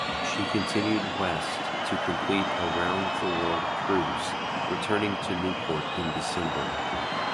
She continued west to complete a round-the-world cruise, returning to Newport in December.